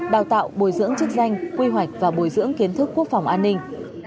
đào tạo bồi dưỡng chức danh quy hoạch và bồi dưỡng kiến thức quốc phòng an ninh